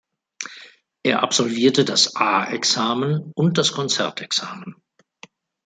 Er absolvierte das A-Examen und das Konzertexamen.